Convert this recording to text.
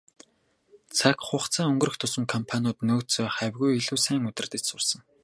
Цаг хугацаа өнгөрөх тусам компаниуд нөөцөө хавьгүй илүү сайн удирдаж сурсан.